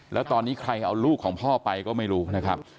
แล้วตอนนี้ใครเอาลูกของพ่อไปก็ไม่รู้นะครับ